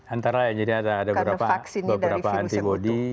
antara ya jadi ada beberapa antibody